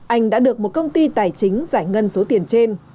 anh đã được một công ty tài chính giải ngân số tiền trên